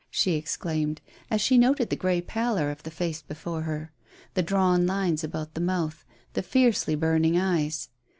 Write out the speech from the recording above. she exclaimed, as she noted the grey pallor of the face before her; the drawn lines about the mouth, the fiercely burning eyes.